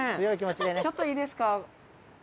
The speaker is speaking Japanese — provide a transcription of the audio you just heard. ちょっといいですか？